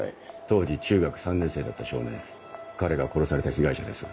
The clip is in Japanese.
当時中学３年生だった少年彼が殺された被害者です。